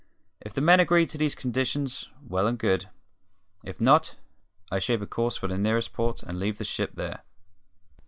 If the men agree to those conditions, well and good; if not, I shape a course for the nearest port, and leave the ship there."